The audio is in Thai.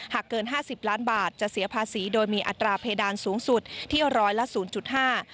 หากเกิน๕๐ล้านบาทจะเสียภาษีโดยมีอัตราเพดานสูงสุดที่ร้อยละ๐๕